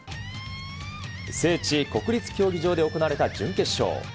聖地、国立競技場で行われた準決勝。